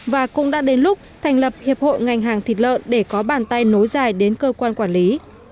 và cũng đã đến lúc thành lập hiệp hội ngành hàng thịt lợn để có bàn tay nối dài đến cơ quan quản lý